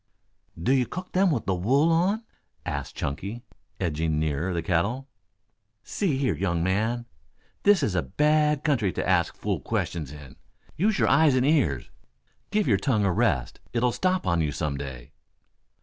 "Do you cook them with the wool on?" asked Chunky, edging nearer the kettle. "See here, young man. This here is a bad country to ask fool questions in. Use your eyes and ears. Give your tongue a rest. It'll stop on you some day."